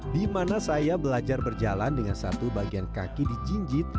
di mana saya belajar berjalan dengan satu bagian kaki di jinjit